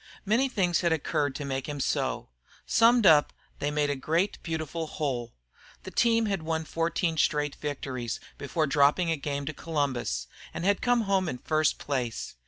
Many things had occurred to make him so; summed up, they made a great beautiful whole. The team had won fourteen straight victories before dropping a game to Columbus, and had come home in first place.